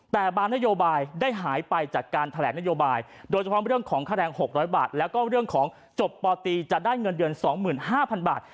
แต่บางนโยบายได้หายไปจากการแถลงนโยบายโดยเฉพาะเรื่องของค่าแรง๖๐๐บาทแล้วก็เรื่องของจบปตีจะได้เงินเดือน๒๕๐๐๐บาท